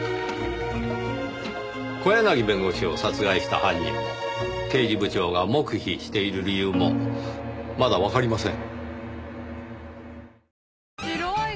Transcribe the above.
小柳弁護士を殺害した犯人も刑事部長が黙秘している理由もまだわかりません。